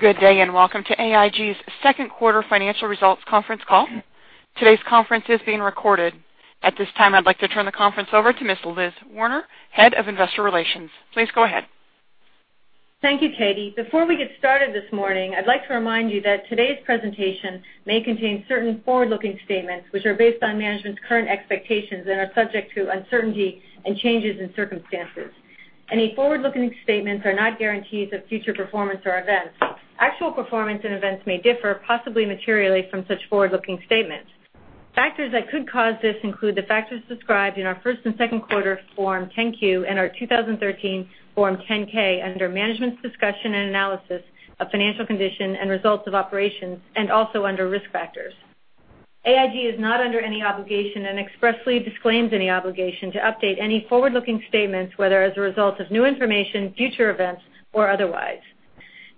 Good day, welcome to AIG's second quarter financial results conference call. Today's conference is being recorded. At this time, I'd like to turn the conference over to Ms. Elizabeth Werner, Head of Investor Relations. Please go ahead. Thank you, Katie. Before we get started this morning, I'd like to remind you that today's presentation may contain certain forward-looking statements which are based on management's current expectations and are subject to uncertainty and changes in circumstances. Any forward-looking statements are not guarantees of future performance or events. Actual performance and events may differ, possibly materially, from such forward-looking statements. Factors that could cause this include the factors described in our first and second quarter Form 10-Q and our 2013 Form 10-K under Management's Discussion and Analysis of Financial Condition and Results of Operations, and also under Risk Factors. AIG is not under any obligation and expressly disclaims any obligation to update any forward-looking statements, whether as a result of new information, future events, or otherwise.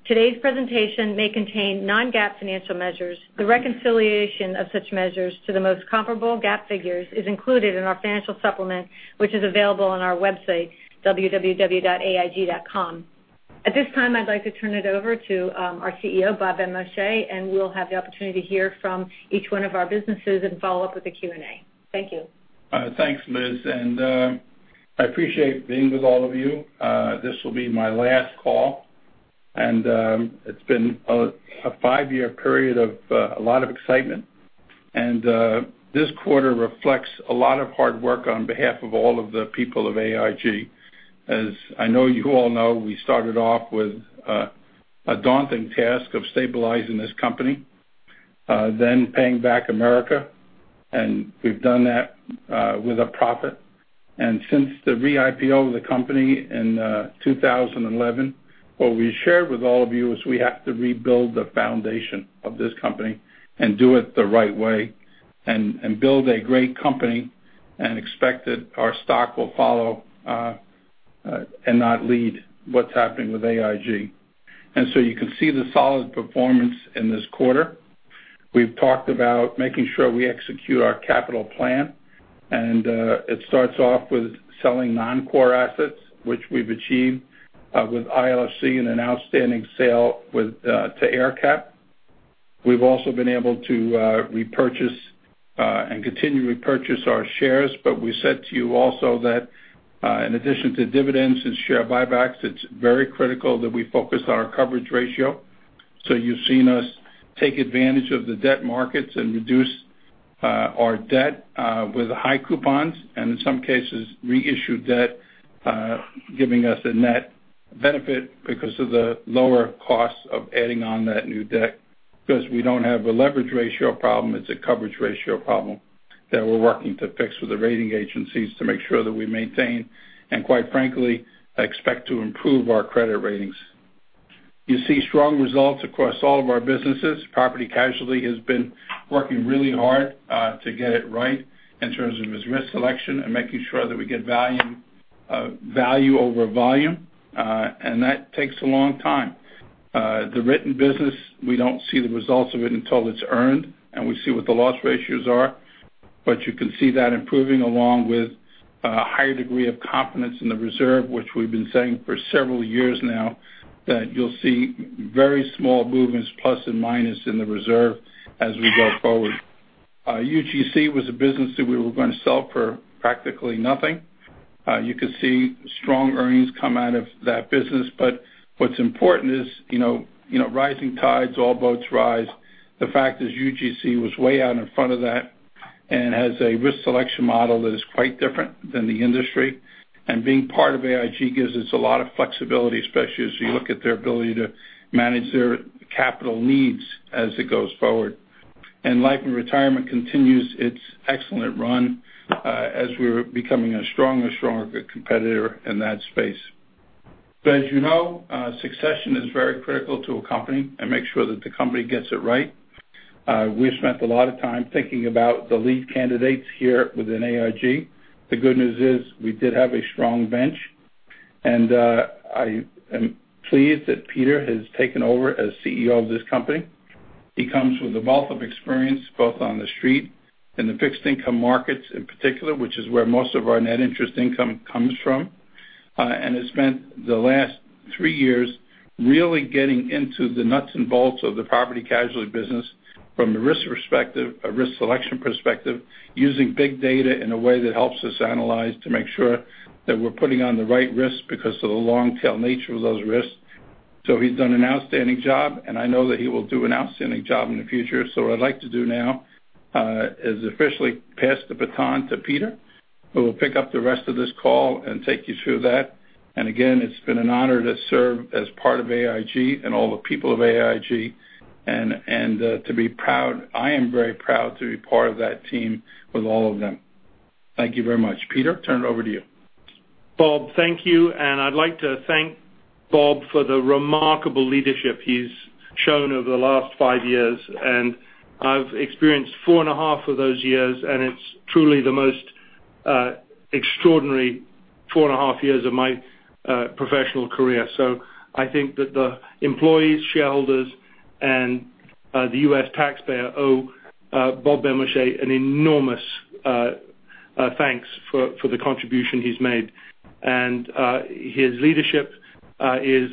Today's presentation may contain non-GAAP financial measures. The reconciliation of such measures to the most comparable GAAP figures is included in our financial supplement, which is available on our website, www.aig.com. At this time, I'd like to turn it over to our CEO, Robert Benmosche, and we'll have the opportunity to hear from each one of our businesses and follow up with the Q&A. Thank you. Thanks, Liz, and I appreciate being with all of you. This will be my last call, and it's been a five-year period of a lot of excitement. This quarter reflects a lot of hard work on behalf of all of the people of AIG. As I know you all know, we started off with a daunting task of stabilizing this company, then paying back America, and we've done that with a profit. Since the re-IPO of the company in 2011, what we shared with all of you is we have to rebuild the foundation of this company and do it the right way and build a great company and expect that our stock will follow, and not lead what's happening with AIG. You can see the solid performance in this quarter. We've talked about making sure we execute our capital plan. It starts off with selling non-core assets, which we've achieved with ILFC in an outstanding sale to AerCap. We've also been able to repurchase and continue to repurchase our shares, but we said to you also that in addition to dividends and share buybacks, it's very critical that we focus on our coverage ratio. You've seen us take advantage of the debt markets and reduce our debt with high coupons, in some cases, reissue debt giving us a net benefit because of the lower cost of adding on that new debt. We don't have a leverage ratio problem, it's a coverage ratio problem that we're working to fix with the rating agencies to make sure that we maintain, and quite frankly, expect to improve our credit ratings. You see strong results across all of our businesses. Property Casualty has been working really hard to get it right in terms of its risk selection and making sure that we get value over volume. That takes a long time. The written business, we don't see the results of it until it's earned and we see what the loss ratios are. You can see that improving along with a higher degree of confidence in the reserve, which we've been saying for several years now, that you'll see very small movements plus and minus in the reserve as we go forward. UGC was a business that we were going to sell for practically nothing. You can see strong earnings come out of that business. What's important is rising tides, all boats rise. The fact is, UGC was way out in front of that and has a risk selection model that is quite different than the industry. Being part of AIG gives us a lot of flexibility, especially as you look at their ability to manage their capital needs as it goes forward. Life & Retirement continues its excellent run as we're becoming a stronger and stronger competitor in that space. As you know, succession is very critical to a company and make sure that the company gets it right. We've spent a lot of time thinking about the lead candidates here within AIG. The good news is we did have a strong bench, and I am pleased that Peter has taken over as CEO of this company. He comes with a wealth of experience, both on The Street and the fixed income markets in particular, which is where most of our net interest income comes from, has spent the last three years really getting into the nuts and bolts of the Property Casualty business from a risk selection perspective, using big data in a way that helps us analyze to make sure that we're putting on the right risks because of the long tail nature of those risks. He's done an outstanding job, I know that he will do an outstanding job in the future. What I'd like to do now is officially pass the baton to Peter, who will pick up the rest of this call and take you through that. Again, it's been an honor to serve as part of AIG and all the people of AIG and to be proud. I am very proud to be part of that team with all of them. Thank you very much. Peter, turn it over to you. Bob, thank you. I'd like to thank Bob for the remarkable leadership he's shown over the last five years. I've experienced four and a half of those years, and it's truly the most extraordinary four and a half years of my professional career. I think that the employees, shareholders, and the U.S. taxpayer owe Robert Benmosche an enormous thank you. Thanks for the contribution he's made. His leadership is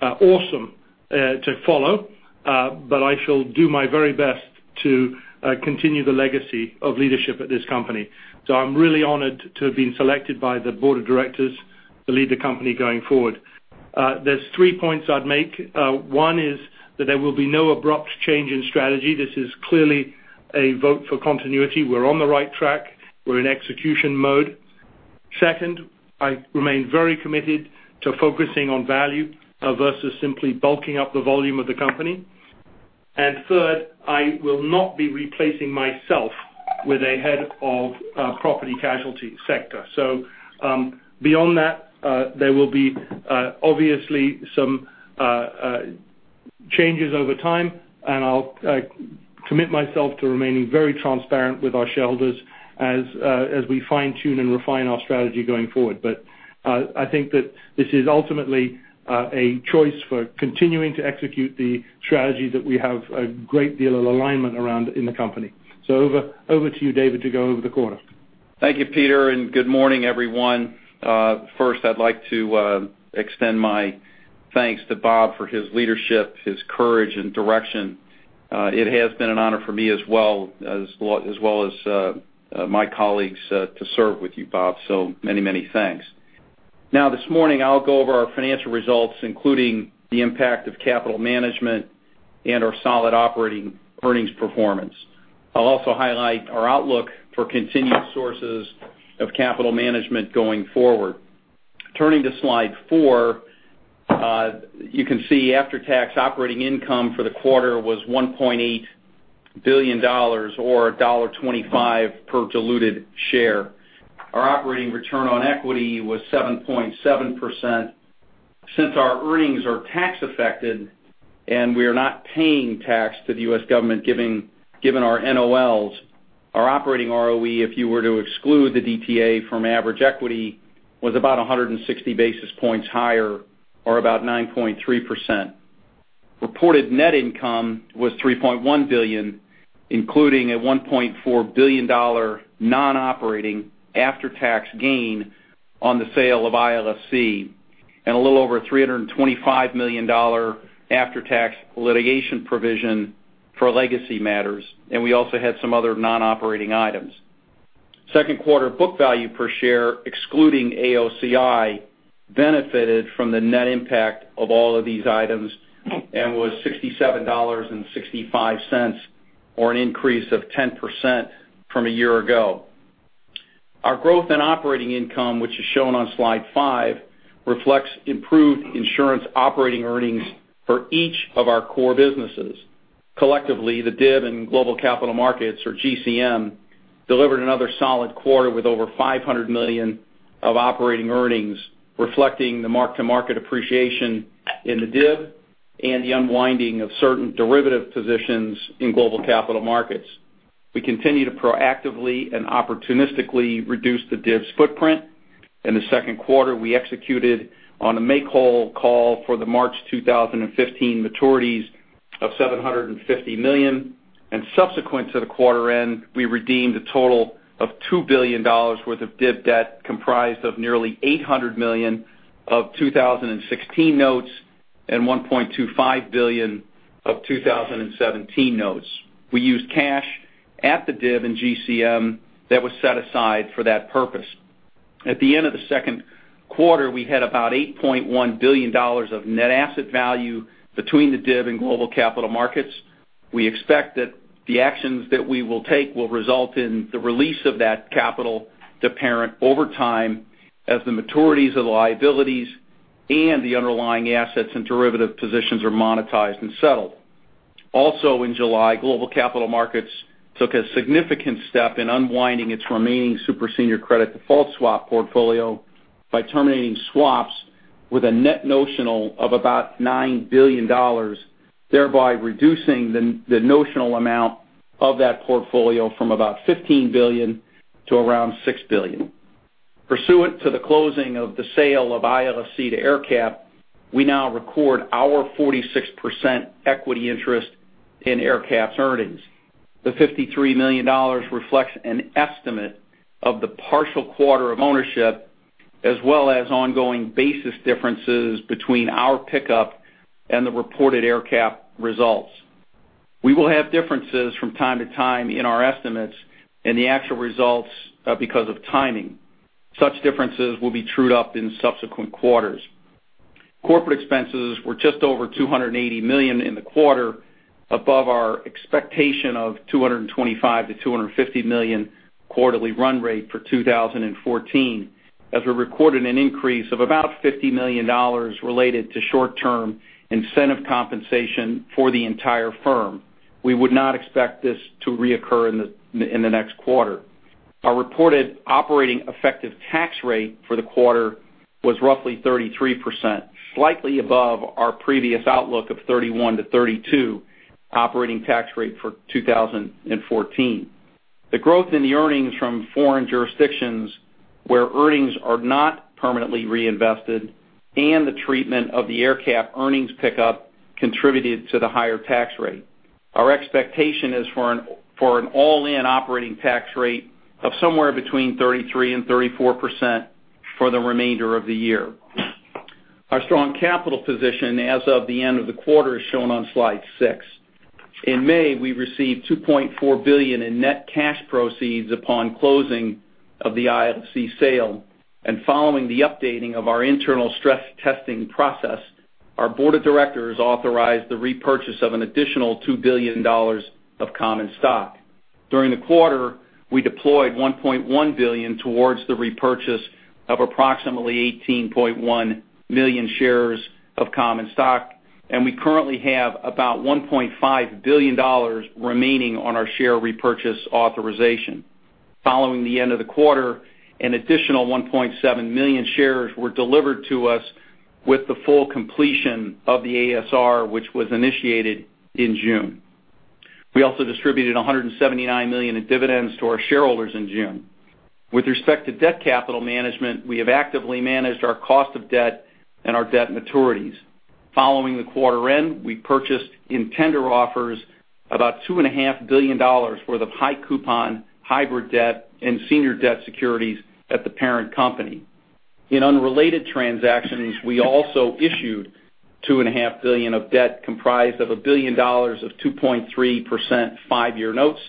awesome to follow, but I shall do my very best to continue the legacy of leadership at this company. I'm really honored to have been selected by the board of directors to lead the company going forward. There's three points I'd make. One is that there will be no abrupt change in strategy. This is clearly a vote for continuity. We're on the right track. We're in execution mode. Second, I remain very committed to focusing on value versus simply bulking up the volume of the company. Third, I will not be replacing myself with a head of Property Casualty sector. Beyond that, there will be obviously some changes over time, and I'll commit myself to remaining very transparent with our shareholders as we fine-tune and refine our strategy going forward. I think that this is ultimately a choice for continuing to execute the strategy that we have a great deal of alignment around in the company. Over to you, David, to go over the quarter. Thank you, Peter. Good morning, everyone. First, I'd like to extend my thanks to Bob for his leadership, his courage, and direction. It has been an honor for me as well as my colleagues to serve with you, Bob. Many thanks. This morning, I'll go over our financial results, including the impact of capital management and our solid operating earnings performance. I'll also highlight our outlook for continued sources of capital management going forward. Turning to slide four, you can see after-tax operating income for the quarter was $1.8 billion or $1.25 per diluted share. Our operating return on equity was 7.7%. Since our earnings are tax affected and we are not paying tax to the U.S. government given our NOLs, our operating ROE, if you were to exclude the DTA from average equity, was about 160 basis points higher or about 9.3%. Reported net income was $3.1 billion, including a $1.4 billion non-operating after-tax gain on the sale of ILFC, a little over $325 million after-tax litigation provision for legacy matters. We also had some other non-operating items. Second quarter book value per share, excluding AOCI, benefited from the net impact of all of these items and was $67.65, or an increase of 10% from a year ago. Our growth in operating income, which is shown on slide five, reflects improved insurance operating earnings for each of our core businesses. Collectively, the DIV and Global Capital Markets, or GCM, delivered another solid quarter with over $500 million of operating earnings, reflecting the mark-to-market appreciation in the DIV and the unwinding of certain derivative positions in Global Capital Markets. We continue to proactively and opportunistically reduce the DIV's footprint. In the second quarter, we executed on a make whole call for the March 2015 maturities of $750 million. Subsequent to the quarter end, we redeemed a total of $2 billion worth of DIV debt, comprised of nearly $800 million of 2016 notes and $1.25 billion of 2017 notes. We used cash at the DIV in GCM that was set aside for that purpose. At the end of the second quarter, we had about $8.1 billion of net asset value between the DIV and Global Capital Markets. We expect that the actions that we will take will result in the release of that capital to Parent over time as the maturities of the liabilities and the underlying assets and derivative positions are monetized and settled. Also in July, Global Capital Markets took a significant step in unwinding its remaining super senior credit default swap portfolio by terminating swaps with a net notional of about $9 billion, thereby reducing the notional amount of that portfolio from about $15 billion to around $6 billion. Pursuant to the closing of the sale of ILFC to AerCap, we now record our 46% equity interest in AerCap's earnings. The $53 million reflects an estimate of the partial quarter of ownership, as well as ongoing basis differences between our pickup and the reported AerCap results. We will have differences from time to time in our estimates and the actual results because of timing. Such differences will be trued up in subsequent quarters. Corporate expenses were just over $280 million in the quarter above our expectation of $225 million-$250 million quarterly run rate for 2014 as we recorded an increase of about $50 million related to short-term incentive compensation for the entire firm. We would not expect this to reoccur in the next quarter. Our reported operating effective tax rate for the quarter was roughly 33%, slightly above our previous outlook of 31%-32% operating tax rate for 2014. The growth in the earnings from foreign jurisdictions where earnings are not permanently reinvested and the treatment of the AerCap earnings pickup contributed to the higher tax rate. Our expectation is for an all-in operating tax rate of somewhere between 33% and 34% for the remainder of the year. Our strong capital position as of the end of the quarter is shown on slide six. In May, we received $2.4 billion in net cash proceeds upon closing of the ILFC sale. Following the updating of our internal stress testing process, our board of directors authorized the repurchase of an additional $2 billion of common stock. During the quarter, we deployed $1.1 billion towards the repurchase of approximately 18.1 million shares of common stock, and we currently have about $1.5 billion remaining on our share repurchase authorization. Following the end of the quarter, an additional 1.7 million shares were delivered to us with the full completion of the ASR, which was initiated in June. We also distributed $179 million in dividends to our shareholders in June. With respect to debt capital management, we have actively managed our cost of debt and our debt maturities. Following the quarter end, we purchased in tender offers about $2.5 billion worth of high coupon hybrid debt and senior debt securities at the parent company. In unrelated transactions, we also issued $2.5 billion of debt comprised of $1 billion of 2.3% five-year notes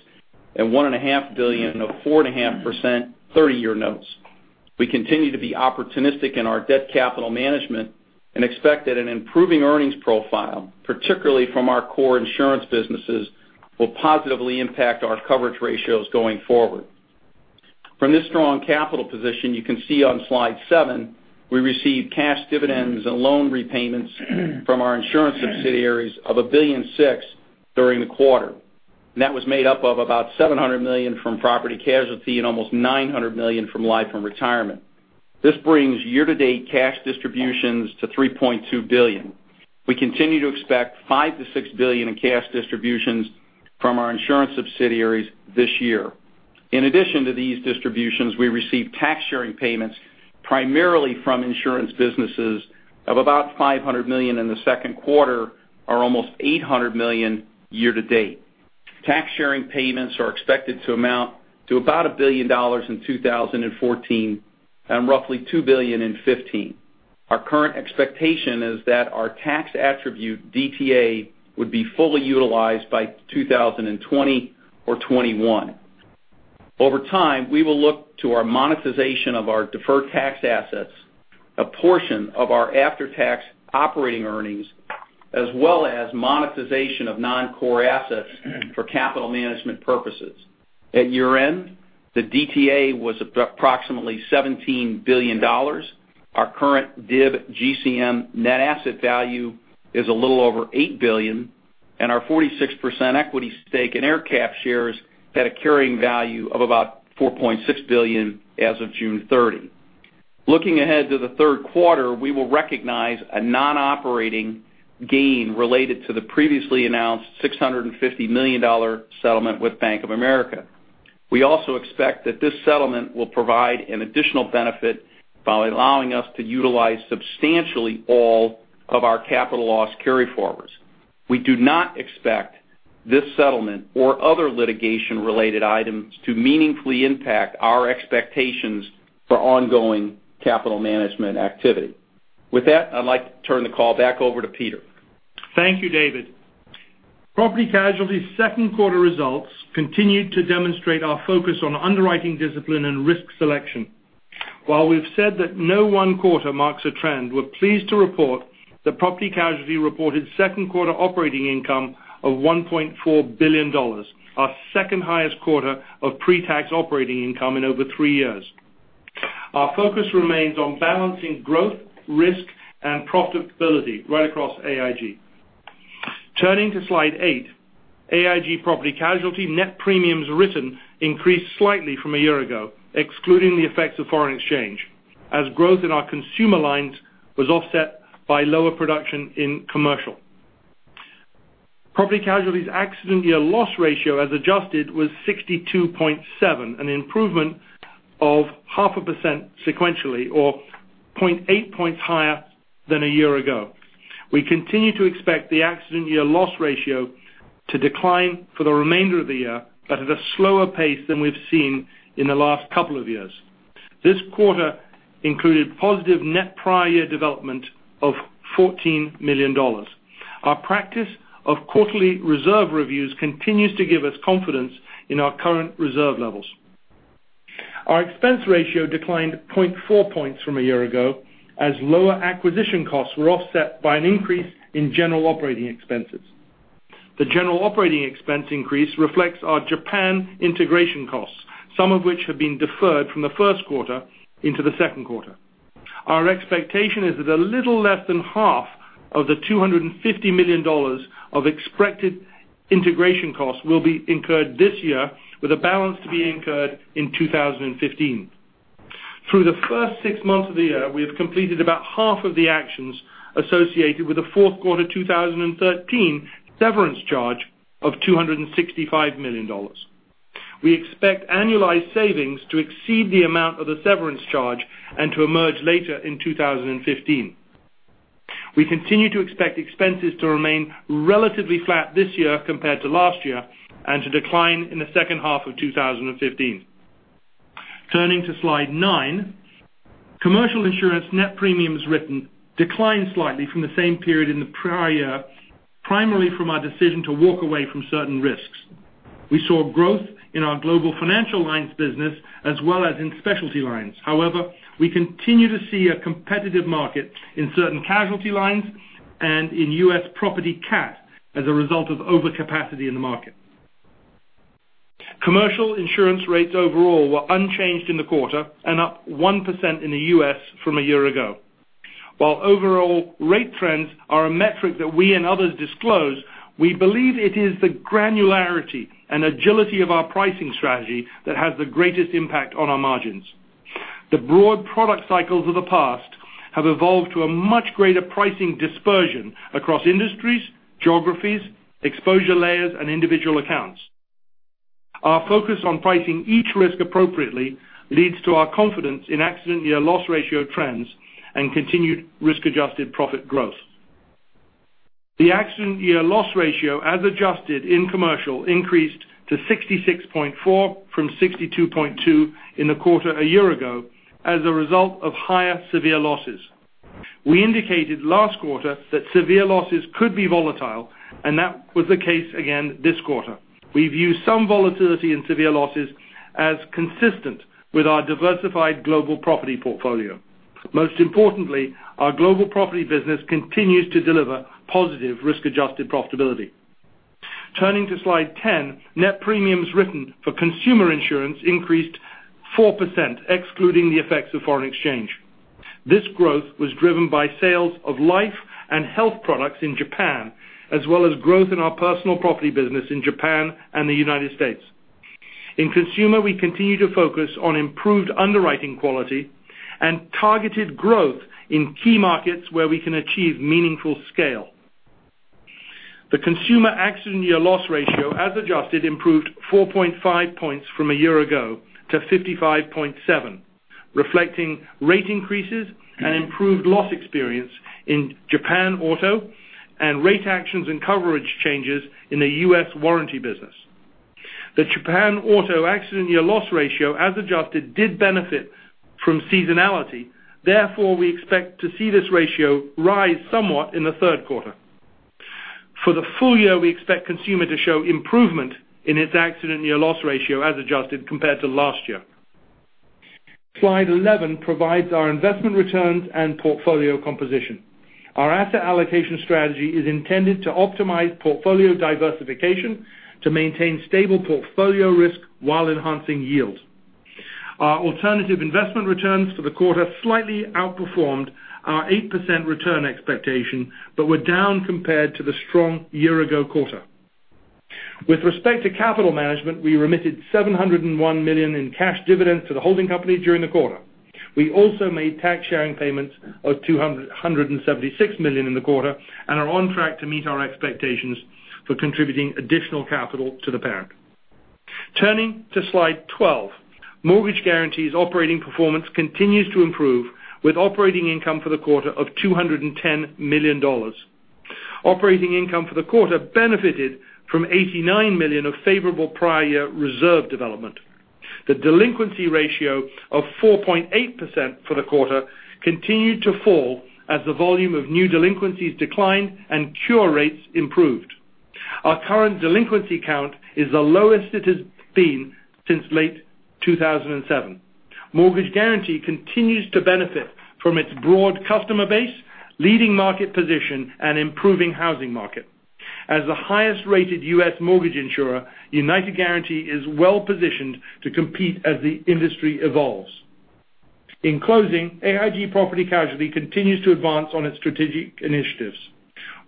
and $1.5 billion of 4.5% 30-year notes. We continue to be opportunistic in our debt capital management and expect that an improving earnings profile, particularly from our core insurance businesses, will positively impact our coverage ratios going forward. From this strong capital position, you can see on slide seven, we received cash dividends and loan repayments from our insurance subsidiaries of $1.6 billion during the quarter. That was made up of about $700 million from Property Casualty and almost $900 million from Life and Retirement. This brings year-to-date cash distributions to $3.2 billion. We continue to expect $5 billion-$6 billion in cash distributions from our insurance subsidiaries this year. In addition to these distributions, we received tax sharing payments primarily from insurance businesses of about $500 million in the second quarter or almost $800 million year to date. Tax sharing payments are expected to amount to about $1 billion in 2014 and roughly $2 billion in 2015. Our current expectation is that our tax attribute DTA would be fully utilized by 2020 or 2021. Over time, we will look to our monetization of our deferred tax assets, a portion of our after-tax operating earnings, as well as monetization of non-core assets for capital management purposes. At year-end, the DTA was approximately $17 billion. Our current DIV GCM net asset value is a little over $8 billion, and our 46% equity stake in AerCap shares had a carrying value of about $4.6 billion as of June 30. Looking ahead to the third quarter, we will recognize a non-operating gain related to the previously announced $650 million settlement with Bank of America. We also expect that this settlement will provide an additional benefit by allowing us to utilize substantially all of our capital loss carryforwards. We do not expect this settlement or other litigation-related items to meaningfully impact our expectations for ongoing capital management activity. With that, I'd like to turn the call back over to Peter. Thank you, David. Property Casualty second quarter results continued to demonstrate our focus on underwriting discipline and risk selection. While we've said that no one quarter marks a trend, we're pleased to report that Property Casualty reported second quarter operating income of $1.4 billion, our second highest quarter of pre-tax operating income in over three years. Our focus remains on balancing growth, risk, and profitability right across AIG. Turning to slide eight, AIG Property Casualty net premiums written increased slightly from a year ago, excluding the effects of foreign exchange, as growth in our consumer lines was offset by lower production in commercial. Property Casualty's accident year loss ratio as adjusted was 62.7, an improvement of 0.5% sequentially or 0.8 points higher than a year ago. We continue to expect the accident year loss ratio to decline for the remainder of the year, but at a slower pace than we've seen in the last couple of years. This quarter included positive net prior year development of $14 million. Our practice of quarterly reserve reviews continues to give us confidence in our current reserve levels. Our expense ratio declined 0.4 points from a year ago, as lower acquisition costs were offset by an increase in general operating expenses. The general operating expense increase reflects our Japan integration costs, some of which have been deferred from the first quarter into the second quarter. Our expectation is that a little less than half of the $250 million of expected integration costs will be incurred this year, with a balance to be incurred in 2015. Through the first six months of the year, we have completed about half of the actions associated with the fourth quarter 2013 severance charge of $265 million. We expect annualized savings to exceed the amount of the severance charge and to emerge later in 2015. We continue to expect expenses to remain relatively flat this year compared to last year and to decline in the second half of 2015. Turning to slide nine, commercial insurance net premiums written declined slightly from the same period in the prior year, primarily from our decision to walk away from certain risks. We saw growth in our global financial lines business as well as in specialty lines. However, we continue to see a competitive market in certain casualty lines and in U.S. property cat as a result of overcapacity in the market. Commercial insurance rates overall were unchanged in the quarter and up 1% in the U.S. from a year ago. While overall rate trends are a metric that we and others disclose, we believe it is the granularity and agility of our pricing strategy that has the greatest impact on our margins. The broad product cycles of the past have evolved to a much greater pricing dispersion across industries, geographies, exposure layers, and individual accounts. Our focus on pricing each risk appropriately leads to our confidence in accident year loss ratio trends and continued risk-adjusted profit growth. The accident year loss ratio, as adjusted in commercial, increased to 66.4 from 62.2 in the quarter a year ago as a result of higher severe losses. We indicated last quarter that severe losses could be volatile, and that was the case again this quarter. We view some volatility in severe losses as consistent with our diversified global property portfolio. Most importantly, our global property business continues to deliver positive risk-adjusted profitability. Turning to slide 10, net premiums written for consumer insurance increased 4%, excluding the effects of foreign exchange. This growth was driven by sales of life and health products in Japan, as well as growth in our personal property business in Japan and the United States. In consumer, we continue to focus on improved underwriting quality and targeted growth in key markets where we can achieve meaningful scale. The consumer accident year loss ratio, as adjusted, improved 4.5 points from a year ago to 55.7, reflecting rate increases and improved loss experience in Japan auto and rate actions and coverage changes in the U.S. warranty business. The Japan auto accident year loss ratio, as adjusted, did benefit from seasonality. We expect to see this ratio rise somewhat in the third quarter. For the full year, we expect consumer to show improvement in its accident year loss ratio as adjusted compared to last year. Slide 11 provides our investment returns and portfolio composition. Our asset allocation strategy is intended to optimize portfolio diversification to maintain stable portfolio risk while enhancing yields. Our alternative investment returns for the quarter slightly outperformed our 8% return expectation, but were down compared to the strong year-ago quarter. With respect to capital management, we remitted $701 million in cash dividends to the holding company during the quarter. We also made tax-sharing payments of $276 million in the quarter and are on track to meet our expectations for contributing additional capital to the parent. Turning to slide 12, mortgage guarantees operating performance continues to improve with operating income for the quarter of $210 million. Operating income for the quarter benefited from $89 million of favorable prior year reserve development. The delinquency ratio of 4.8% for the quarter continued to fall as the volume of new delinquencies declined and cure rates improved. Our current delinquency count is the lowest it has been since late 2007. Mortgage guarantee continues to benefit from its broad customer base, leading market position, and improving housing market. As the highest-rated U.S. mortgage insurer, United Guaranty is well-positioned to compete as the industry evolves. In closing, AIG Property Casualty continues to advance on its strategic initiatives,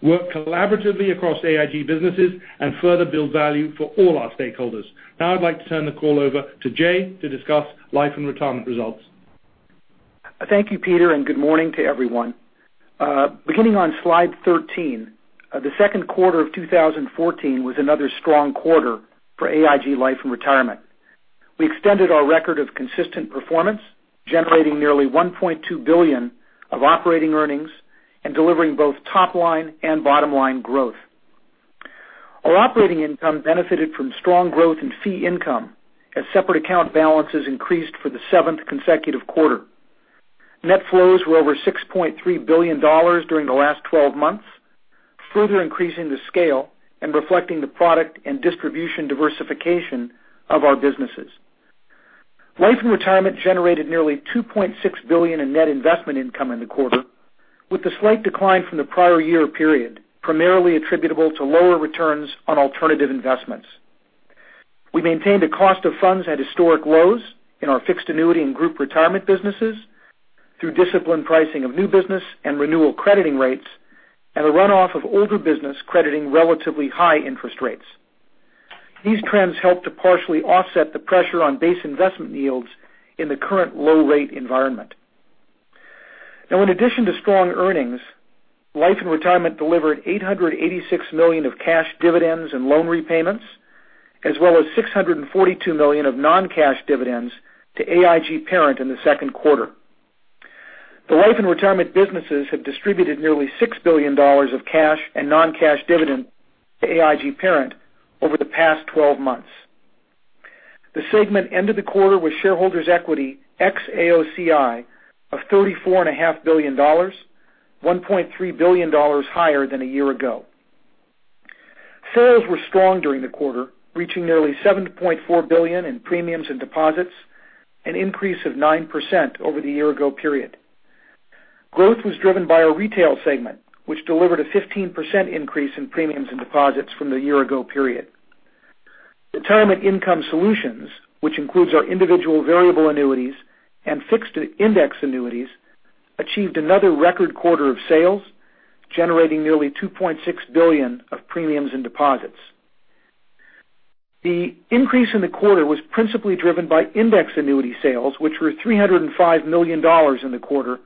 work collaboratively across AIG businesses, and further build value for all our stakeholders. I'd like to turn the call over to Jay to discuss Life and Retirement results. Thank you, Peter, and good morning to everyone. Beginning on slide thirteen, the second quarter of 2014 was another strong quarter for AIG Life and Retirement. We extended our record of consistent performance, generating nearly $1.2 billion of operating earnings and delivering both top-line and bottom-line growth. Our operating income benefited from strong growth in fee income as separate account balances increased for the seventh consecutive quarter. Net flows were over $6.3 billion during the last 12 months, further increasing the scale and reflecting the product and distribution diversification of our businesses. Life and Retirement generated nearly $2.6 billion in net investment income in the quarter, with a slight decline from the prior year period, primarily attributable to lower returns on alternative investments. We maintained a cost of funds at historic lows in our fixed annuity and group retirement businesses through disciplined pricing of new business and renewal crediting rates and a runoff of older business crediting relatively high interest rates. These trends helped to partially offset the pressure on base investment yields in the current low-rate environment. In addition to strong earnings, Life and Retirement delivered $886 million of cash dividends and loan repayments as well as $642 million of non-cash dividends to AIG Parent in the second quarter. The Life and Retirement businesses have distributed nearly $6 billion of cash and non-cash dividend to AIG Parent over the past 12 months. The segment ended the quarter with shareholders' equity ex-AOCI of $34.5 billion, $1.3 billion higher than a year ago. Sales were strong during the quarter, reaching nearly $7.4 billion in premiums and deposits, an increase of 9% over the year ago period. Growth was driven by our retail segment, which delivered a 15% increase in premiums and deposits from the year ago period. Retirement Income Solutions, which includes our individual variable annuities and fixed index annuities, achieved another record quarter of sales, generating nearly $2.6 billion of premiums and deposits. The increase in the quarter was principally driven by index annuity sales, which were $305 million in the quarter,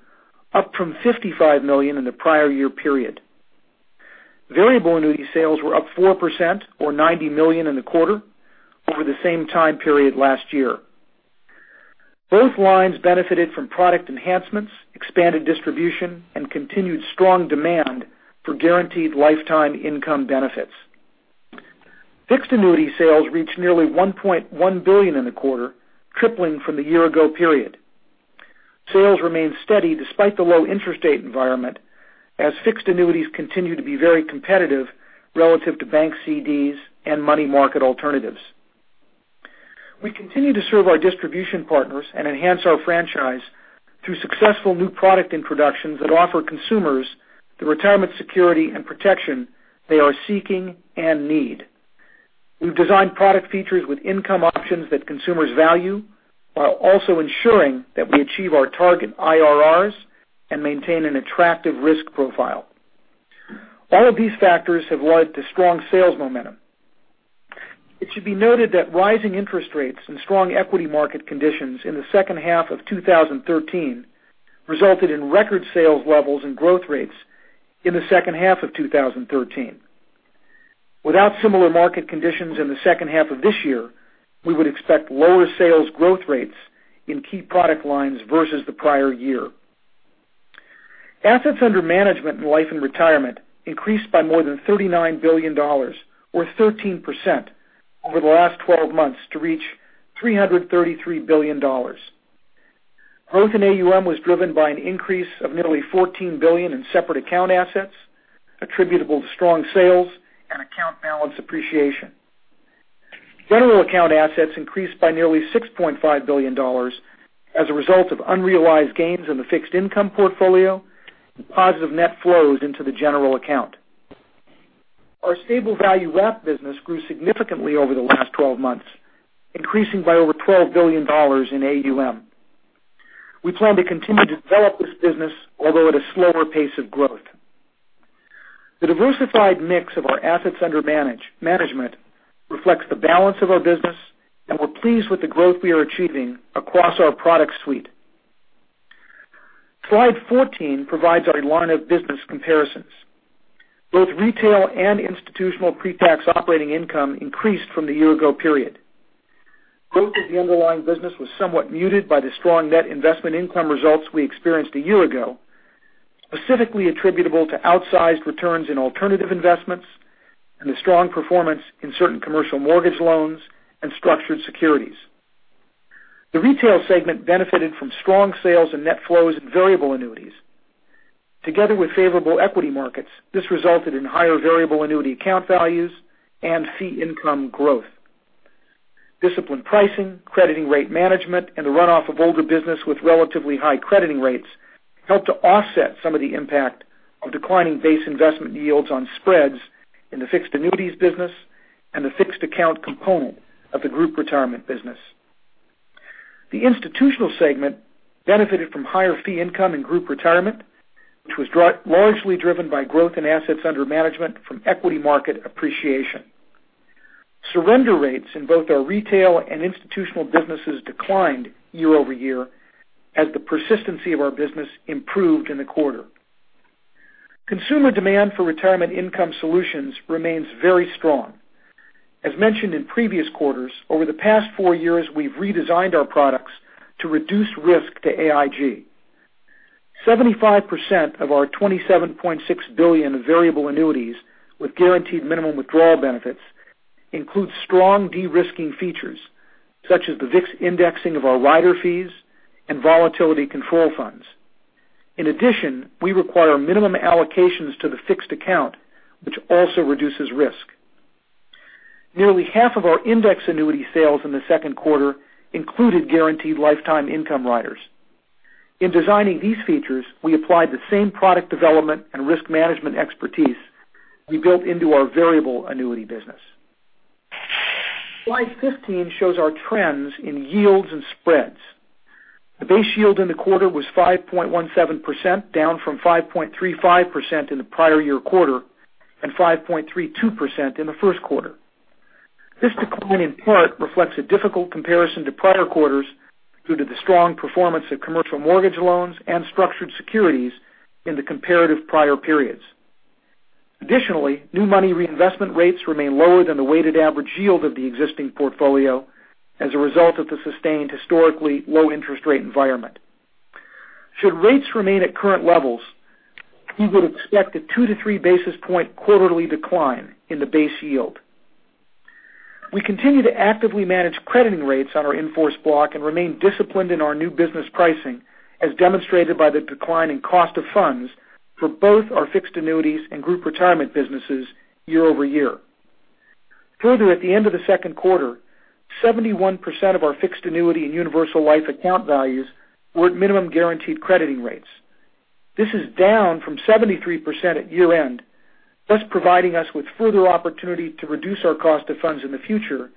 up from $55 million in the prior year period. Variable annuity sales were up 4%, or $90 million in the quarter, over the same time period last year. Both lines benefited from product enhancements, expanded distribution, and continued strong demand for guaranteed lifetime income benefits. Fixed annuity sales reached nearly $1.1 billion in the quarter, tripling from the year ago period. Sales remained steady despite the low interest rate environment, as fixed annuities continue to be very competitive relative to bank CDs and money market alternatives. We continue to serve our distribution partners and enhance our franchise through successful new product introductions that offer consumers the retirement security and protection they are seeking and need. We've designed product features with income options that consumers value while also ensuring that we achieve our target IRRs and maintain an attractive risk profile. All of these factors have led to strong sales momentum. It should be noted that rising interest rates and strong equity market conditions in the second half of 2013 resulted in record sales levels and growth rates in the second half of 2013. Without similar market conditions in the second half of this year, we would expect lower sales growth rates in key product lines versus the prior year. Assets under management in Life and Retirement increased by more than $39 billion, or 13%, over the last 12 months to reach $333 billion. Growth in AUM was driven by an increase of nearly $14 billion in separate account assets attributable to strong sales and account balance appreciation. General account assets increased by nearly $6.5 billion as a result of unrealized gains in the fixed income portfolio and positive net flows into the general account. Our stable value wrap business grew significantly over the last 12 months, increasing by over $12 billion in AUM. We plan to continue to develop this business, although at a slower pace of growth. The diversified mix of our assets under management reflects the balance of our business, and we're pleased with the growth we are achieving across our product suite. Slide 14 provides our line of business comparisons. Both retail and institutional pre-tax operating income increased from the year ago period. Growth of the underlying business was somewhat muted by the strong net investment income results we experienced a year ago, specifically attributable to outsized returns in alternative investments and the strong performance in certain commercial mortgage loans and structured securities. The retail segment benefited from strong sales and net flows in variable annuities. Together with favorable equity markets, this resulted in higher variable annuity account values and fee income growth. Disciplined pricing, crediting rate management, and the runoff of older business with relatively high crediting rates helped to offset some of the impact of declining base investment yields on spreads in the fixed annuities business and the fixed account component of the group retirement business. The institutional segment benefited from higher fee income in group retirement, which was largely driven by growth in assets under management from equity market appreciation. Surrender rates in both our retail and institutional businesses declined year-over-year as the persistency of our business improved in the quarter. Consumer demand for Retirement Income Solutions remains very strong. As mentioned in previous quarters, over the past four years, we've redesigned our products to reduce risk to AIG. 75% of our $27.6 billion in variable annuities with guaranteed minimum withdrawal benefits include strong de-risking features, such as the VIX indexing of our rider fees and volatility control funds. In addition, we require minimum allocations to the fixed account, which also reduces risk. Nearly half of our index annuity sales in the second quarter included guaranteed lifetime income riders. In designing these features, we applied the same product development and risk management expertise we built into our variable annuity business. Slide 15 shows our trends in yields and spreads. The base yield in the quarter was 5.17%, down from 5.35% in the prior year quarter and 5.32% in the first quarter. This decline in part reflects a difficult comparison to prior quarters due to the strong performance of commercial mortgage loans and structured securities in the comparative prior periods. Additionally, new money reinvestment rates remain lower than the weighted average yield of the existing portfolio as a result of the sustained historically low interest rate environment. Should rates remain at current levels, we would expect a two to three basis point quarterly decline in the base yield. We continue to actively manage crediting rates on our in-force block and remain disciplined in our new business pricing, as demonstrated by the decline in cost of funds for both our fixed annuities and group retirement businesses year-over-year. Further, at the end of the second quarter, 71% of our fixed annuity and universal life account values were at minimum guaranteed crediting rates. This is down from 73% at year-end, thus providing us with further opportunity to reduce our cost of funds in the future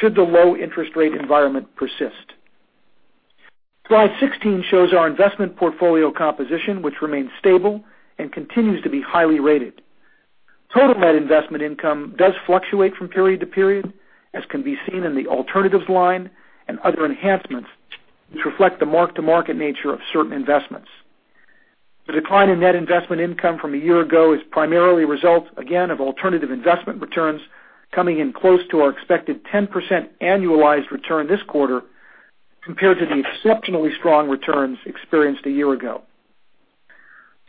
should the low interest rate environment persist. Slide 16 shows our investment portfolio composition, which remains stable and continues to be highly rated. Total net investment income does fluctuate from period to period, as can be seen in the alternatives line and other enhancements, which reflect the mark-to-market nature of certain investments. The decline in net investment income from a year ago is primarily a result, again, of alternative investment returns coming in close to our expected 10% annualized return this quarter compared to the exceptionally strong returns experienced a year ago.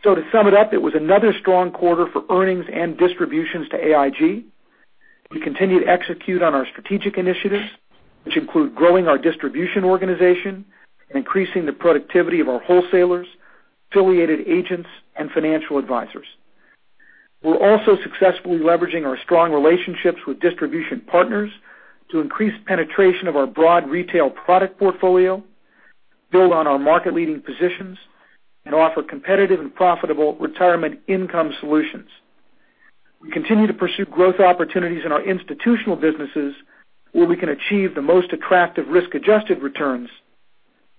To sum it up, it was another strong quarter for earnings and distributions to AIG. We continue to execute on our strategic initiatives, which include growing our distribution organization and increasing the productivity of our wholesalers, affiliated agents, and financial advisors. We're also successfully leveraging our strong relationships with distribution partners to increase penetration of our broad retail product portfolio, build on our market-leading positions, and offer competitive and profitable Retirement Income Solutions. We continue to pursue growth opportunities in our institutional businesses where we can achieve the most attractive risk-adjusted returns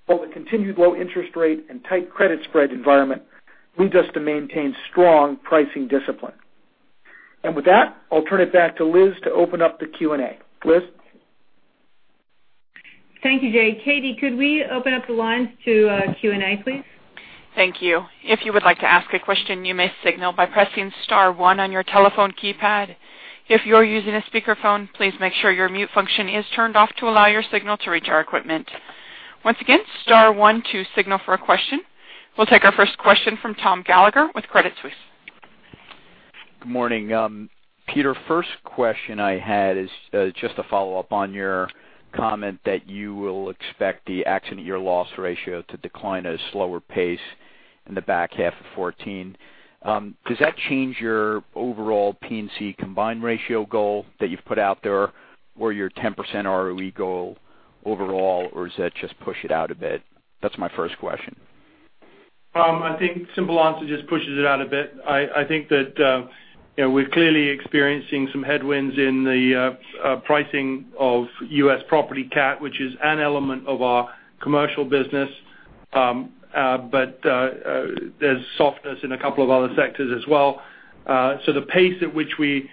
while the continued low interest rate and tight credit spread environment leads us to maintain strong pricing discipline. With that, I'll turn it back to Liz to open up the Q&A. Liz? Thank you, Jay. Katie, could we open up the lines to Q&A, please? Thank you. If you would like to ask a question, you may signal by pressing *1 on your telephone keypad. If you're using a speakerphone, please make sure your mute function is turned off to allow your signal to reach our equipment. Once again, *1 to signal for a question. We'll take our first question from Thomas Gallagher with Credit Suisse. Good morning. Peter, first question I had is just a follow-up on your comment that you will expect the accident year loss ratio to decline at a slower pace in the back half of 2014. Does that change your overall P&C combined ratio goal that you've put out there, or your 10% ROE goal overall, or does that just push it out a bit? That's my first question. I think simple answer, just pushes it out a bit. I think that we're clearly experiencing some headwinds in the pricing of U.S. property cat, which is an element of our commercial business. There's softness in a couple of other sectors as well. The pace at which we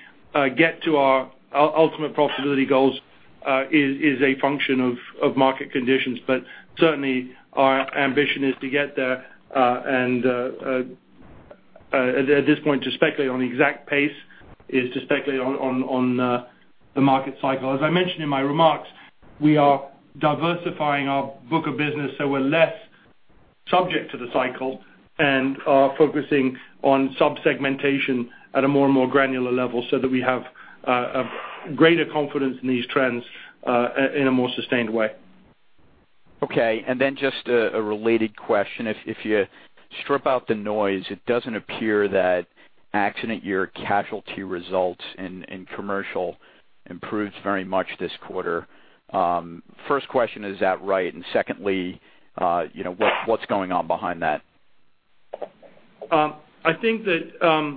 get to our ultimate profitability goals is a function of market conditions. Certainly, our ambition is to get there. At this point to speculate on the exact pace is to speculate on the market cycle. As I mentioned in my remarks, we are diversifying our book of business so we're less subject to the cycle and are focusing on sub-segmentation at a more and more granular level so that we have a greater confidence in these trends in a more sustained way. Okay. Just a related question. If you strip out the noise, it doesn't appear that accident year casualty results in commercial improved very much this quarter. First question, is that right? Secondly, what's going on behind that? I think that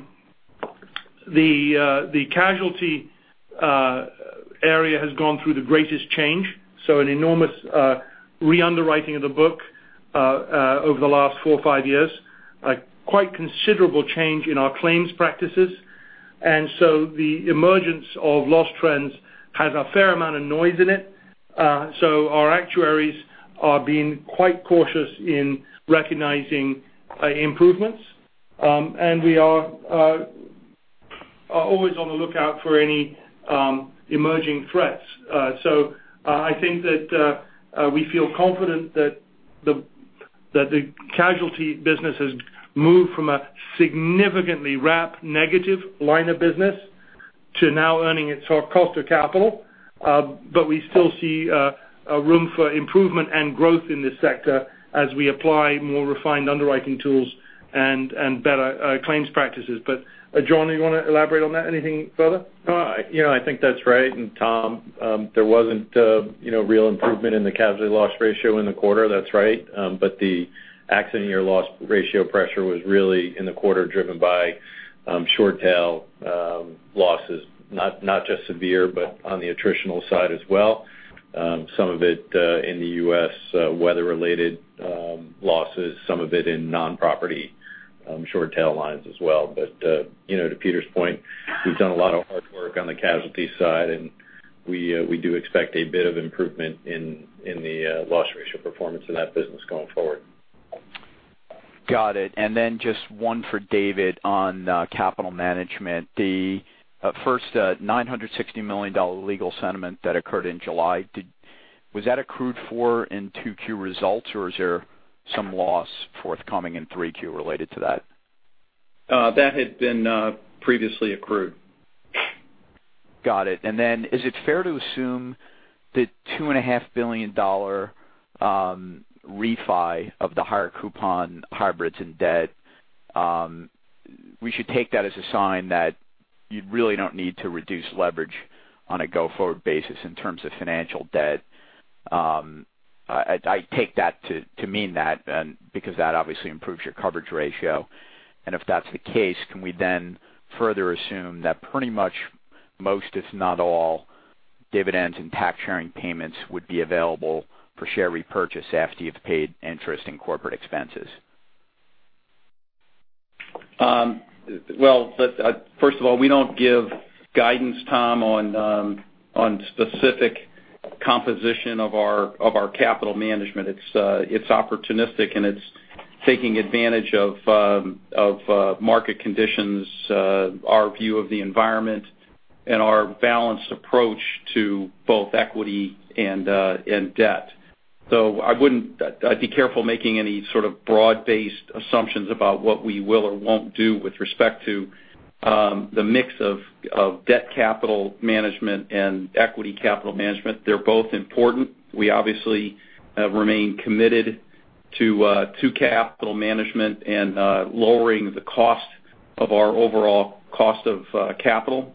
the casualty area has gone through the greatest change. An enormous re-underwriting of the book over the last four or five years. A quite considerable change in our claims practices. The emergence of loss trends has a fair amount of noise in it. Our actuaries are being quite cautious in recognizing improvements. We are always on the lookout for any emerging threats. I think that we feel confident that the casualty business has moved from a significantly RAP negative line of business to now earning its cost of capital. We still see room for improvement and growth in this sector as we apply more refined underwriting tools and better claims practices. John, you want to elaborate on that, anything further? No. I think that's right. Tom, there wasn't real improvement in the casualty loss ratio in the quarter. That's right. The accident year loss ratio pressure was really in the quarter driven by short tail losses, not just severe, but on the attritional side as well. Some of it in the U.S. weather related losses, some of it in non-property short tail lines as well. To Peter's point, we've done a lot of hard work on the casualty side, and we do expect a bit of improvement in the loss ratio performance in that business going forward. Got it. Just one for David on capital management. The first $960 million legal settlement that occurred in July, was that accrued for in 2Q results, or is there some loss forthcoming in 3Q related to that? That had been previously accrued. Got it. Is it fair to assume the $2.5 billion refi of the higher coupon hybrids in debt, we should take that as a sign that you really don't need to reduce leverage on a go-forward basis in terms of financial debt? I take that to mean that, because that obviously improves your coverage ratio. If that's the case, can we then further assume that pretty much most, if not all, dividends and tax sharing payments would be available for share repurchase after you've paid interest in corporate expenses? Well, first of all, we don't give guidance, Tom, on specific composition of our capital management. It's opportunistic, and it's taking advantage of market conditions, our view of the environment, and our balanced approach to both equity and debt. I'd be careful making any sort of broad-based assumptions about what we will or won't do with respect to the mix of debt capital management and equity capital management. They're both important. We obviously remain committed to capital management and lowering the cost of our overall cost of capital.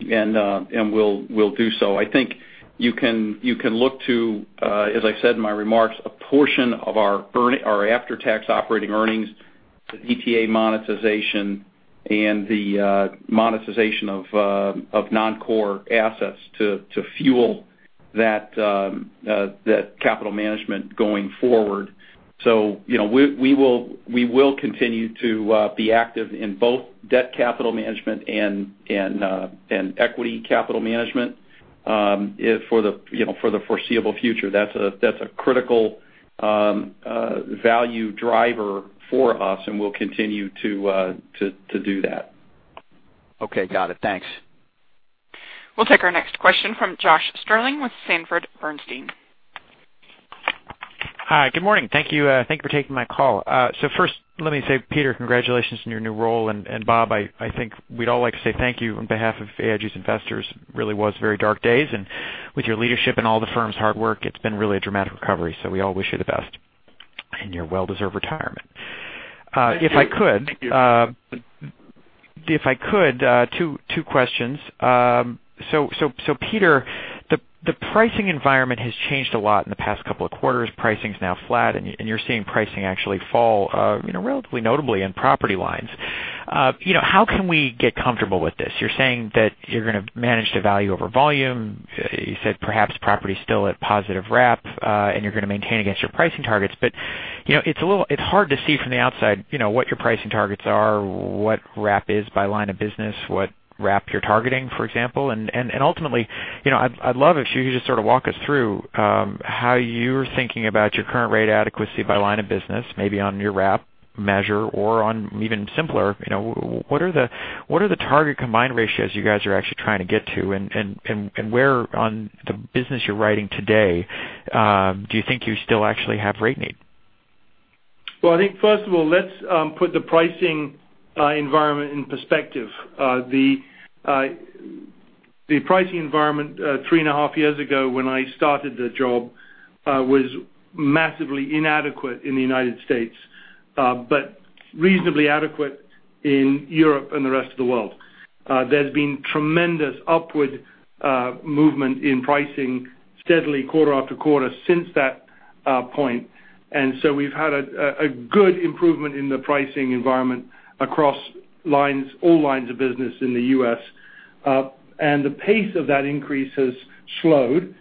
We'll do so. I think you can look to, as I said in my remarks, a portion of our after-tax operating earnings, the DTA monetization, and the monetization of non-core assets to fuel that capital management going forward. We will continue to be active in both debt capital management and equity capital management for the foreseeable future. That's a critical value driver for us, and we'll continue to do that. Okay, got it. Thanks. We'll take our next question from Josh Stirling with Sanford C. Bernstein. Hi, good morning. Thank you for taking my call. First, let me say, Peter, congratulations on your new role. Bob, I think we'd all like to say thank you on behalf of AIG's investors. It really was very dark days, and with your leadership and all the firm's hard work, it's been really a dramatic recovery. We all wish you the best in your well-deserved retirement. Thank you. If I could, two questions. Peter, the pricing environment has changed a lot in the past couple of quarters. Pricing is now flat, and you're seeing pricing actually fall relatively notably in property lines. How can we get comfortable with this? You're saying that you're going to manage the value over volume. You said perhaps property's still at positive RAP, and you're going to maintain against your pricing targets. It's hard to see from the outside what your pricing targets are, what RAP is by line of business, what RAP you're targeting, for example. Ultimately, I'd love if you could just sort of walk us through how you're thinking about your current rate adequacy by line of business, maybe on your RAP measure or on even simpler, what are the target combined ratios you guys are actually trying to get to? where on the business you're writing today do you think you still actually have rate need? Well, I think, first of all, let's put the pricing environment in perspective. The pricing environment three and a half years ago when I started the job was massively inadequate in the United States but reasonably adequate in Europe and the rest of the world. There's been tremendous upward movement in pricing steadily quarter after quarter since that point. We've had a good improvement in the pricing environment across all lines of business in the U.S. The pace of that increase has slowed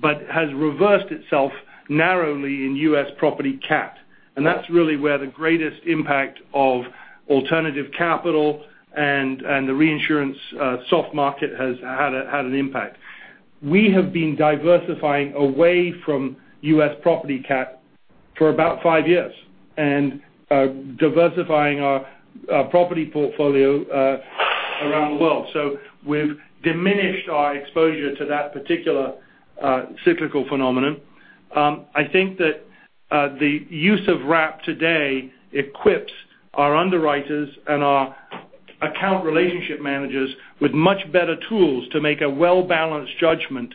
but has reversed itself narrowly in U.S. property cat. That's really where the greatest impact of alternative capital and the reinsurance soft market has had an impact. We have been diversifying away from U.S. property cat for about five years and diversifying our property portfolio around the world. We've diminished our exposure to that particular cyclical phenomenon. I think that the use of RAP today equips our underwriters and our account relationship managers with much better tools to make a well-balanced judgment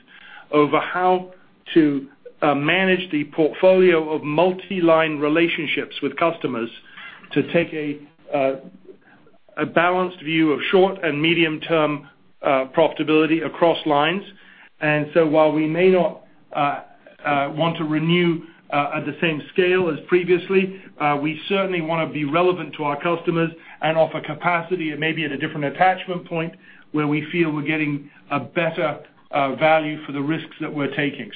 over how to manage the portfolio of multi-line relationships with customers to take a balanced view of short and medium-term profitability across lines. While we may not want to renew at the same scale as previously, we certainly want to be relevant to our customers and offer capacity, and maybe at a different attachment point where we feel we're getting a better value for the risks that we're taking.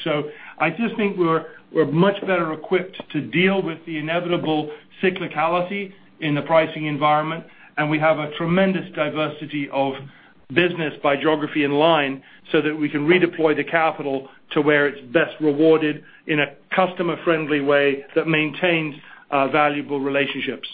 I just think we're much better equipped to deal with the inevitable cyclicality in the pricing environment, and we have a tremendous diversity of business by geography and line so that we can redeploy the capital to where it's best rewarded in a customer-friendly way that maintains valuable relationships.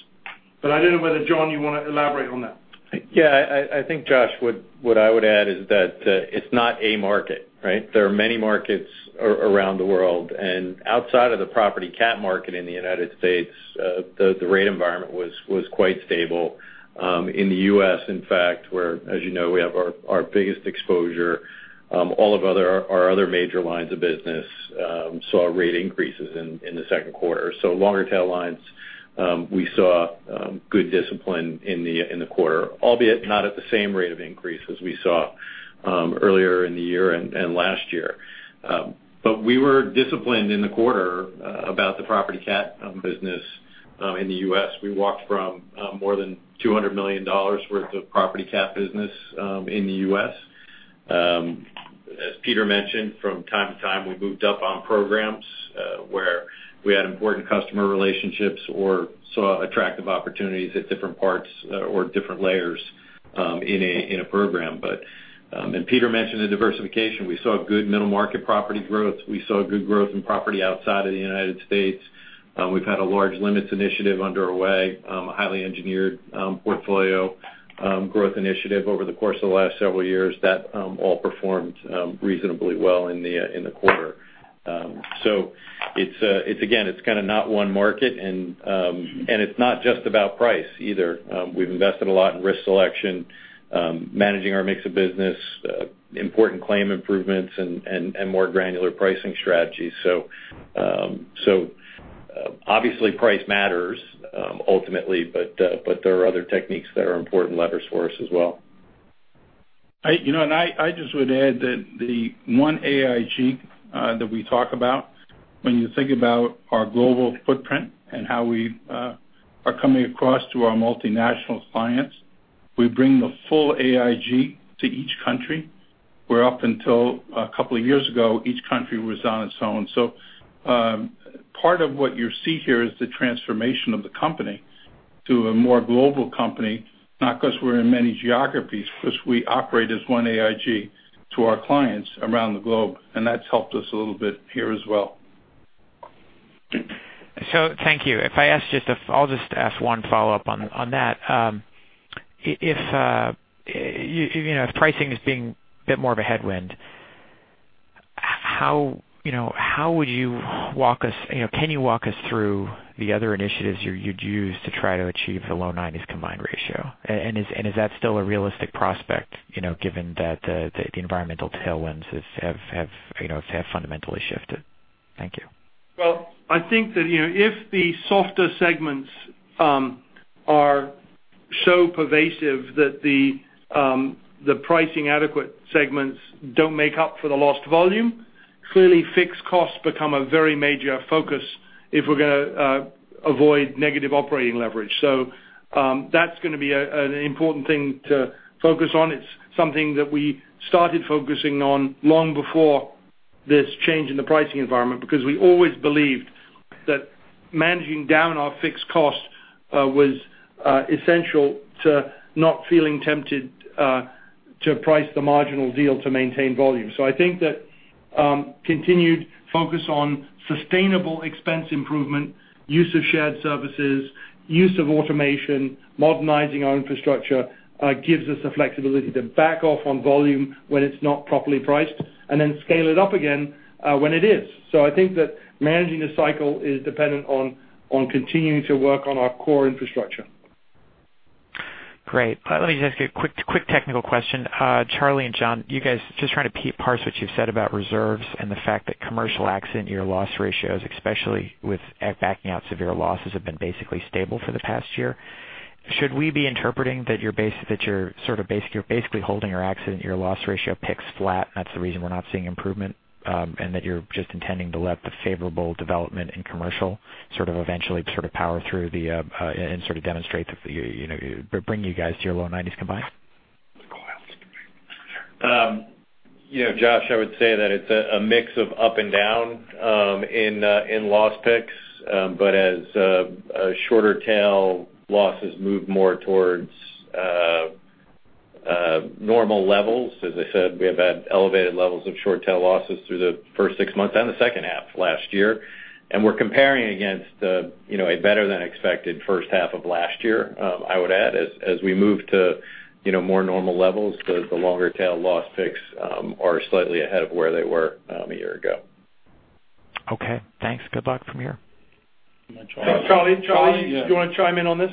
I don't know whether, John, you want to elaborate on that. I think, Josh, what I would add is that it's not a market, right? There are many markets around the world, and outside of the property cat market in the U.S., the rate environment was quite stable. In the U.S., in fact, where, as you know, we have our biggest exposure, all of our other major lines of business saw rate increases in the second quarter. Longer tail lines, we saw good discipline in the quarter, albeit not at the same rate of increase as we saw earlier in the year and last year. We were disciplined in the quarter about the property cat business in the U.S. We walked from more than $200 million worth of property cat business in the U.S. As Peter mentioned, from time to time, we moved up on programs where we had important customer relationships or saw attractive opportunities at different parts or different layers in a program. Peter mentioned the diversification. We saw good middle-market property growth. We saw good growth in property outside of the United States. We've had a large limits initiative underway, a highly engineered portfolio growth initiative over the course of the last several years. That all performed reasonably well in the quarter. Again, it's kind of not one market, and it's not just about price either. We've invested a lot in risk selection, managing our mix of business, important claim improvements, and more granular pricing strategies. Obviously, price matters ultimately, but there are other techniques that are important levers for us as well. I just would add that the one AIG that we talk about when you think about our global footprint and how we are coming across to our multinational clients, we bring the full AIG to each country, where up until a couple of years ago, each country was on its own. Part of what you see here is the transformation of the company to a more global company, not because we're in many geographies, because we operate as one AIG to our clients around the globe, and that's helped us a little bit here as well. Thank you. I'll just ask one follow-up on that. If pricing is being a bit more of a headwind, can you walk us through the other initiatives you'd use to try to achieve the low 90s combined ratio? Is that still a realistic prospect, given that the environmental tailwinds have fundamentally shifted? Thank you. Well, I think that if the softer segments are so pervasive that the pricing-adequate segments don't make up for the lost volume, clearly fixed costs become a very major focus if we're going to avoid negative operating leverage. That's going to be an important thing to focus on. It's something that we started focusing on long before this change in the pricing environment because we always believed that managing down our fixed cost was essential to not feeling tempted to price the marginal deal to maintain volume. I think that continued focus on sustainable expense improvement, use of shared services, use of automation, modernizing our infrastructure gives us the flexibility to back off on volume when it's not properly priced and then scale it up again when it is. I think that managing the cycle is dependent on continuing to work on our core infrastructure. Great. Let me just ask you a quick technical question. Charlie and John, you guys, just trying to parse what you've said about reserves and the fact that commercial accident year loss ratios, especially with backing out severe losses, have been basically stable for the past year. Should we be interpreting that you're basically holding your accident year loss ratio picks flat, and that's the reason we're not seeing improvement, and that you're just intending to let the favorable development in commercial sort of eventually power through and sort of bring you guys to your low 90s combined? Josh, I would say that it's a mix of up and down in loss picks. As shorter tail losses move more towards normal levels, as I said, we have had elevated levels of short tail losses through the first six months and the second half last year, and we're comparing against a better-than-expected first half of last year. I would add, as we move to more normal levels, the longer tail loss picks are slightly ahead of where they were a year ago. Okay, thanks. Good luck from here. Charlie, do you want to chime in on this?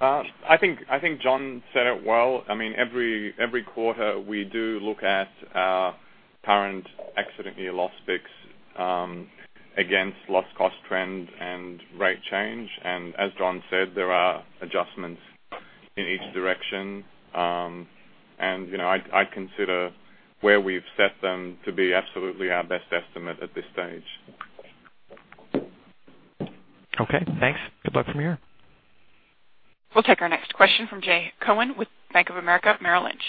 I think John said it well. Every quarter, we do look at our current accident year loss picks against loss cost trend and rate change. As John said, there are adjustments in each direction. I'd consider where we've set them to be absolutely our best estimate at this stage. Okay, thanks. Good luck from here. We'll take our next question from Jay Cohen with Bank of America Merrill Lynch.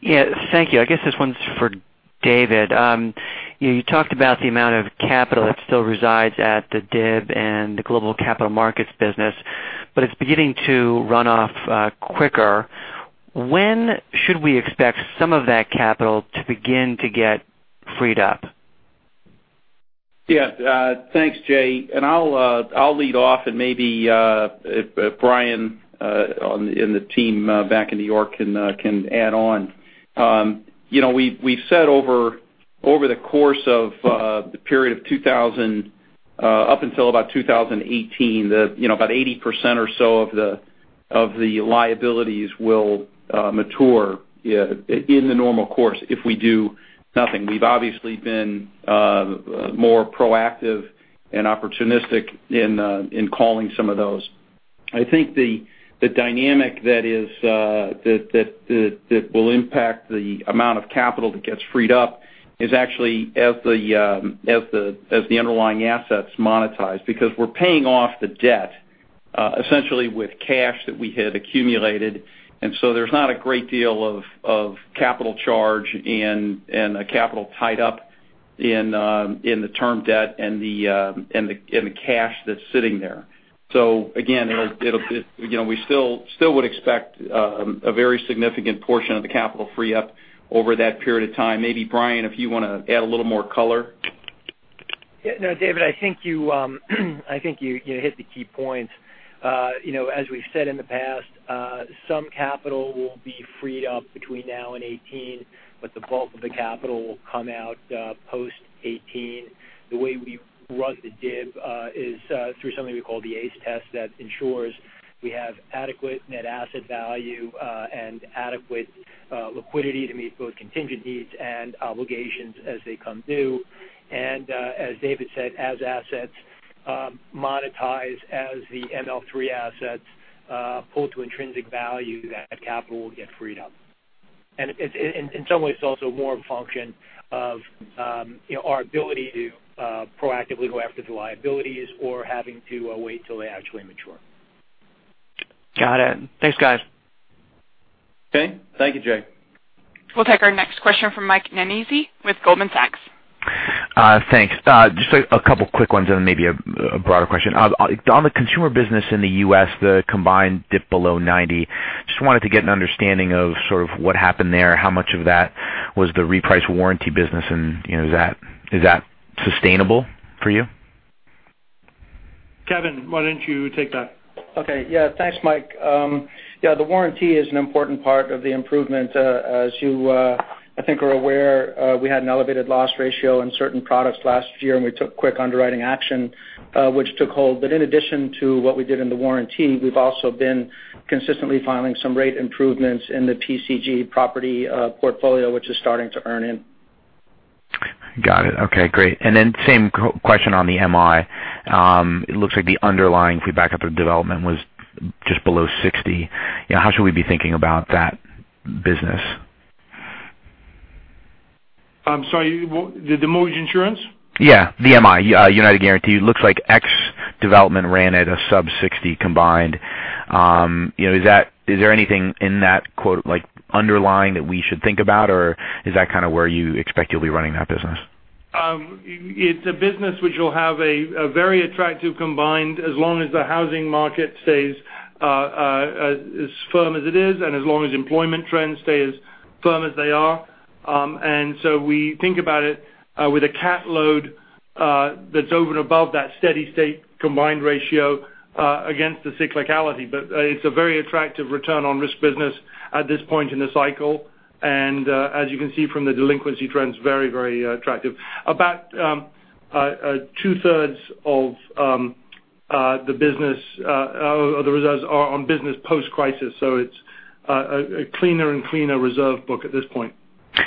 Yeah, thank you. I guess this one's for David. You talked about the amount of capital that still resides at the DIV and the Global Capital Markets business, but it's beginning to run off quicker. When should we expect some of that capital to begin to get freed up? Yeah. Thanks, Jay. I'll lead off and maybe if Brian and the team back in New York can add on. We've said over the course of the period of 2000 up until about 2018, about 80% or so of the liabilities will mature in the normal course if we do nothing. We've obviously been more proactive and opportunistic in calling some of those. I think the dynamic that will impact the amount of capital that gets freed up is actually as the underlying assets monetize, because we're paying off the debt, essentially with cash that we had accumulated. There's not a great deal of capital charge and a capital tied up in the term debt and the cash that's sitting there. Again, we still would expect a very significant portion of the capital free up over that period of time. Maybe Brian, if you want to add a little more color. Yeah, no, David, I think you hit the key points. As we've said in the past, some capital will be freed up between now and 2018, but the bulk of the capital will come out post 2018. The way we run the DIB is through something we call the ACE test that ensures we have adequate net asset value and adequate liquidity to meet both contingent needs and obligations as they come due. As David said, as assets monetize as the ML3 assets pull to intrinsic value, that capital will get freed up. In some ways, it's also more of a function of our ability to proactively go after the liabilities or having to wait till they actually mature. Got it. Thanks, guys. Okay. Thank you, Jay. We'll take our next question from Michael Nannizzi with Goldman Sachs. Thanks. Just a couple quick ones and maybe a broader question. On the consumer business in the U.S., the combined dip below 90%. Just wanted to get an understanding of sort of what happened there, how much of that was the reprice warranty business, and is that sustainable for you? Kevin, why don't you take that? Okay. Yeah. Thanks, Mike. Yeah, the warranty is an important part of the improvement. As you, I think are aware, we had an elevated loss ratio in certain products last year, and we took quick underwriting action, which took hold. In addition to what we did in the warranty, we've also been consistently filing some rate improvements in the PCG property portfolio, which is starting to earn in. Got it. Okay, great. Then same question on the MI. It looks like the underlying, if we back up the development, was just below 60%. How should we be thinking about that business? I'm sorry, the mortgage insurance? Yeah, the MI, United Guaranty. Looks like X development ran at a sub 60 combined. Is there anything in that quote like underlying that we should think about, or is that kind of where you'll be running that business? It's a business which will have a very attractive combined as long as the housing market stays as firm as it is and as long as employment trends stay as firm as they are. We think about it with a cat load that's over and above that steady state combined ratio against the cyclicality. It's a very attractive return on risk business at this point in the cycle. As you can see from the delinquency trends, very attractive. About two-thirds of the results are on business post-crisis. It's a cleaner and cleaner reserve book at this point.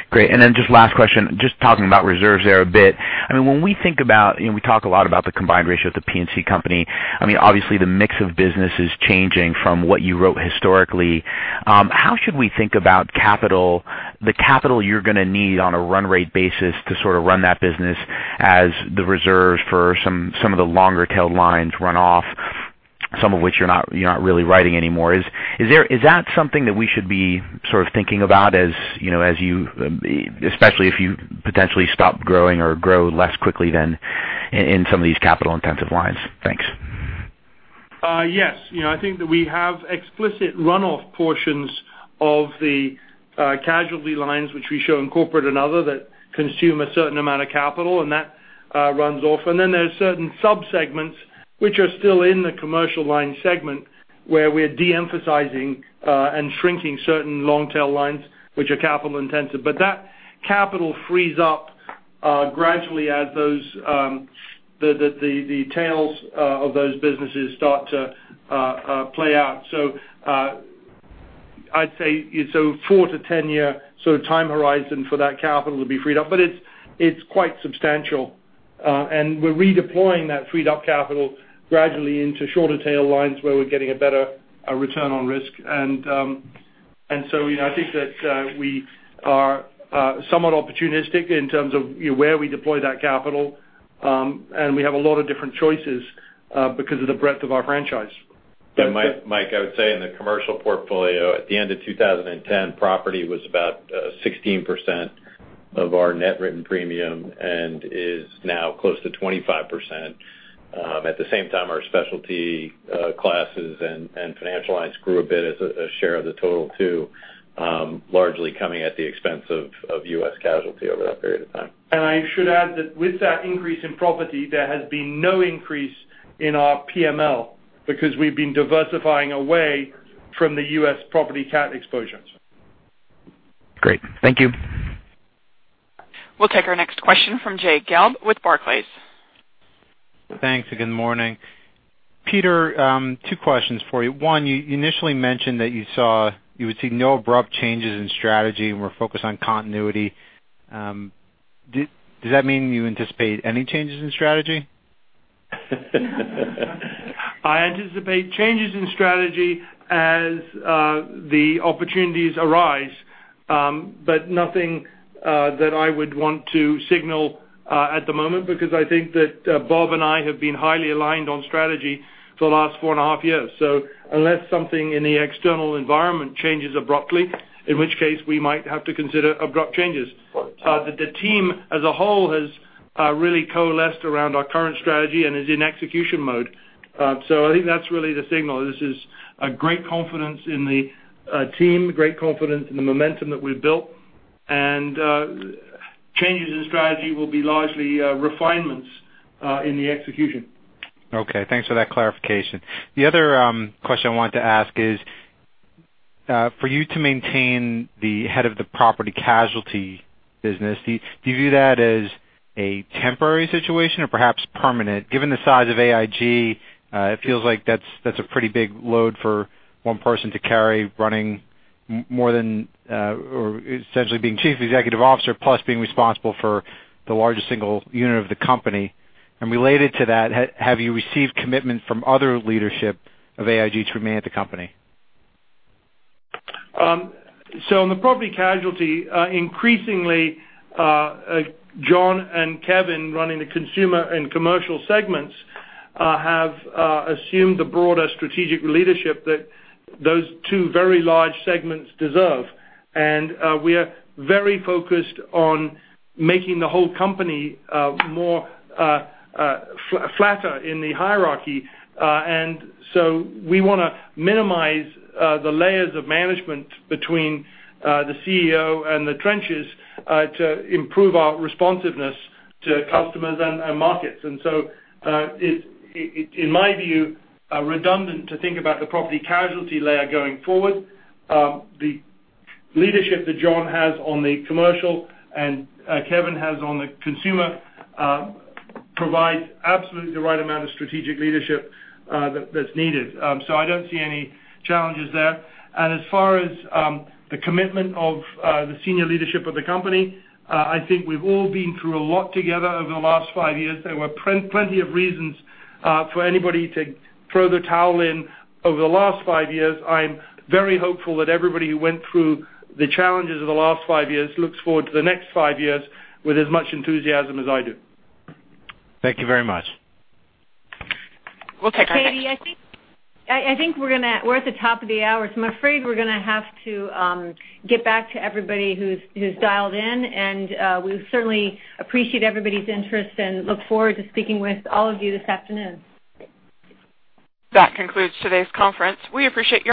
Great. Just last question, just talking about reserves there a bit. When we think about, we talk a lot about the combined ratio at the P&C Company. Obviously, the mix of business is changing from what you wrote historically. How should we think about the capital you're going to need on a run rate basis to sort of run that business as the reserves for some of the longer tail lines run off, some of which you're not really writing anymore. Is that something that we should be sort of thinking about especially if you potentially stop growing or grow less quickly than in some of these capital intensive lines? Thanks. Yes. I think that we have explicit runoff portions of the casualty lines, which we show in corporate and other that consume a certain amount of capital, and that runs off. There's certain subsegments which are still in the commercial line segment where we're de-emphasizing and shrinking certain long tail lines, which are capital intensive. That capital frees up gradually as the tails of those businesses start to play out. I'd say four to 10 year sort of time horizon for that capital to be freed up. It's quite substantial. We're redeploying that freed up capital gradually into shorter tail lines where we're getting a better return on risk. I think that we are somewhat opportunistic in terms of where we deploy that capital. We have a lot of different choices because of the breadth of our franchise. Yeah, Mike, I would say in the commercial portfolio, at the end of 2010, property was about 16% of our net written premium and is now close to 25%. At the same time, our specialty classes and financial lines grew a bit as a share of the total too, largely coming at the expense of U.S. casualty over that period of time. I should add that with that increase in property, there has been no increase in our PML because we've been diversifying away from the U.S. property cat exposures. Great. Thank you. We'll take our next question from Jay Gelb with Barclays. Thanks and good morning. Peter, two questions for you. One, you initially mentioned that you would see no abrupt changes in strategy and were focused on continuity. Does that mean you anticipate any changes in strategy? I anticipate changes in strategy as the opportunities arise, but nothing that I would want to signal at the moment, because I think that Bob and I have been highly aligned on strategy for the last four and a half years. Unless something in the external environment changes abruptly, in which case we might have to consider abrupt changes. The team as a whole has really coalesced around our current strategy and is in execution mode. I think that's really the signal. This is a great confidence in the team, great confidence in the momentum that we've built, and changes in strategy will be largely refinements in the execution. Okay, thanks for that clarification. The other question I wanted to ask is, for you to maintain the head of the Property Casualty business, do you view that as a temporary situation or perhaps permanent? Given the size of AIG, it feels like that's a pretty big load for one person to carry, essentially being chief executive officer plus being responsible for the largest single unit of the company. Related to that, have you received commitment from other leadership of AIG to remain at the company? In the Property Casualty, increasingly, John and Kevin, running the Consumer and Commercial segments, have assumed the broader strategic leadership that those two very large segments deserve. We are very focused on making the whole company flatter in the hierarchy. We want to minimize the layers of management between the CEO and the trenches to improve our responsiveness to customers and markets. It's, in my view, redundant to think about the Property Casualty layer going forward. The leadership that John has on the Commercial and Kevin has on the Consumer provides absolutely the right amount of strategic leadership that's needed. I don't see any challenges there. As far as the commitment of the senior leadership of the company, I think we've all been through a lot together over the last five years. There were plenty of reasons for anybody to throw the towel in over the last five years. I'm very hopeful that everybody who went through the challenges of the last five years looks forward to the next five years with as much enthusiasm as I do. Thank you very much. We'll take our next. Katie, I think we're at the top of the hour, so I'm afraid we're going to have to get back to everybody who's dialed in. We certainly appreciate everybody's interest and look forward to speaking with all of you this afternoon. That concludes today's conference. We appreciate your participation.